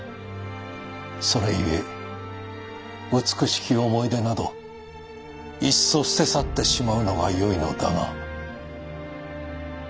それゆえ美しき思い出などいっそ捨て去ってしまうのがよいのだが。